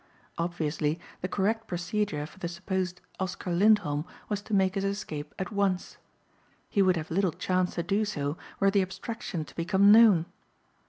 Obviously the correct procedure for the supposed Oscar Lindholm was to make his escape at once. He would have little chance to do so were the abstraction to become known.